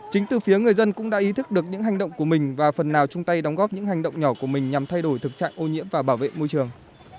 chính từ phía người dân cũng đã ý thức được những hành động của mình và phần nào chung tay đóng góp những hành động nhỏ của mình nhằm thay đổi thực trạng ô nhiễm và bảo vệ môi trường